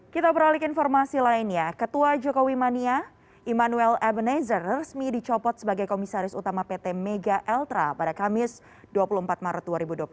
kita beralih ke informasi lainnya ketua jokowi mania immanuel ebenezer resmi dicopot sebagai komisaris utama pt mega eltra pada kamis dua puluh empat maret dua ribu dua puluh tiga